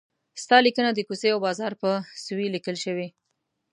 ستا لیکنه د کوڅې او بازار په سویې لیکل شوې.